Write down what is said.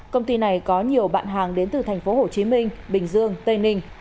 công ty này có nhiều bạn hàng đến từ thành phố hồ chí minh bình dương tây ninh